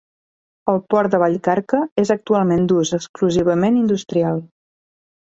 El port de Vallcarca és actualment d'ús exclusivament industrial.